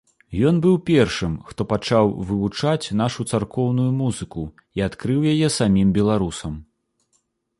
Ён быў першым, хто пачаў вывучаць нашу царкоўную музыку і адкрыў яе самім беларусам.